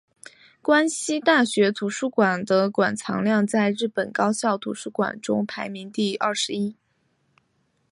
关西大学图书馆的馆藏量在日本高校图书馆中排名第二十一。